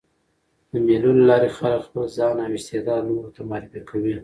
د مېلو له لاري خلک خپل ځان او استعداد نورو ته معرفي کوي.